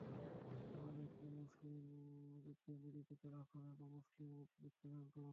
আমাদেরকে মুসলিমরূপে জীবিত রাখুন এবং মুসলিমরূপে মৃত্যু দান করুন।